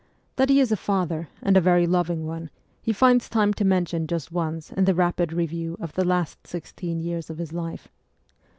That he is a father, and a very loving one, he finds time to mention just once in the rapid review of the last sixteen years of his life.